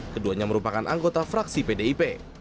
keduanya merupakan anggota fraksi pdip